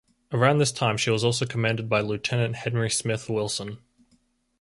Around this time she was also commanded by Lieutenant Henry Smith Wilson.